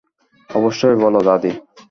অবশ্যই, বলো দাদী।